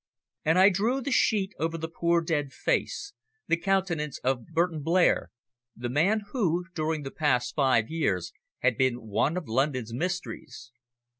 And I drew the sheet over the poor dead face the countenance of Burton Blair, the man who, during the past five years, had been one of London's mysteries.